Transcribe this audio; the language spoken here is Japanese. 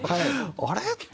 あれ？って。